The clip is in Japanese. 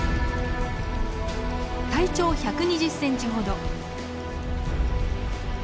体長１２０センチほど。